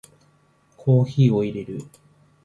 コーヒーを淹れる